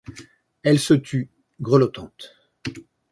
Elle se tut, grelottante.